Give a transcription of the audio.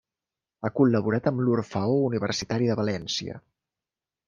Ha col·laborat amb l'Orfeó Universitari de València.